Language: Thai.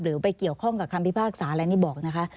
ไปเกี่ยวข้องกับคำพิพากษาอะไรนี่บอกนะคะ